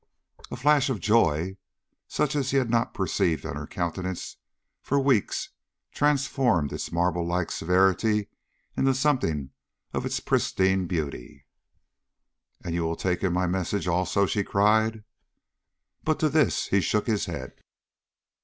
A flash of joy such as he had not perceived on her countenance for weeks transformed its marble like severity into something of its pristine beauty. "And you will take him my message also?" she cried. But to this he shook his head.